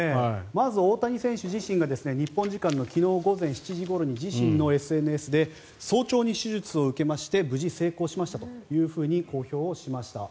まず大谷選手自身が日本時間昨日午前７時ごろに自身のＳＮＳで早朝に手術を受けまして無事、成功しましたと公表をしました。